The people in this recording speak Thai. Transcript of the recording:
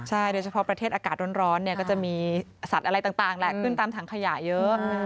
ใช่โดยเฉพาะประเทศอากาศร้อนเนี่ยก็จะมีสัตว์อะไรต่างแหละขึ้นตามถังขยะเยอะ